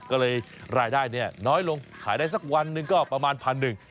ก็เลยรายได้เนี่ยน้อยลงขายได้สักวันหนึ่งก็ประมาณพันหนึ่ง